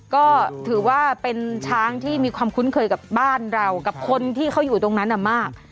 ก็ถือว่าเป็นช้างที่มีความคุ้นเคยกับบ้านเรากับคนที่เขาอยู่ตรงนั้นมาก